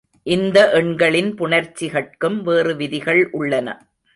இந்த எண்களின் புணர்ச்சிகட்கும் வேறு விதிகள் உள்ளன.